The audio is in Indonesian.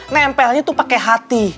nempelnya tuh pake hati